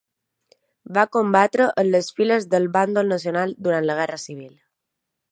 Va combatre en les files del bàndol nacional durant la Guerra Civil.